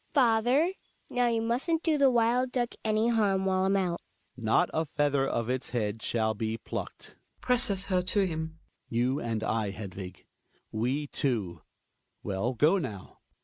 Father, now you mustn't do the wild duck any harm while I'm ouiVptA Hjalmar. Not a feather of its head shall be plucked. {Presses her to him.) You and I, Hedvig, — we two !— Well go now.